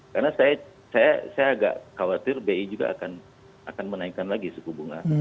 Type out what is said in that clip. karena saya agak khawatir bi juga akan menaikkan lagi suku bunga